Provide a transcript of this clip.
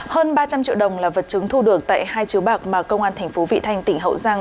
hơn ba trăm linh triệu đồng là vật chứng thu được tại hai chiếu bạc mà công an tp vị thành tỉnh hậu giang